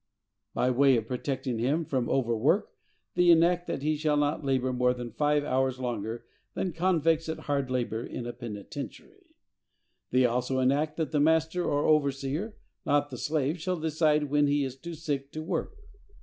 By way of protecting him from over work, they enact that he shall not labor more than five hours longer than convicts at hard labor in a penitentiary! They also enact that the master or overseer, not the slave, shall decide when he is too sick to work.